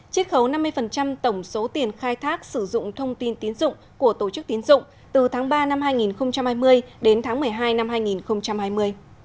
chiết khấu năm mươi tổng số tiền khai thác sử dụng thông tin tín dụng của tổ chức tín dụng từ tháng ba năm hai nghìn hai mươi đến tháng một mươi hai năm hai nghìn hai mươi